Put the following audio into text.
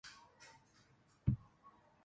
Nativa del sudeste de Asia.